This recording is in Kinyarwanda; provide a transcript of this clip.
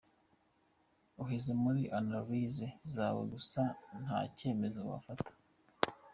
Uheze muri anallyse zawe gusa ntacyemezo wafata.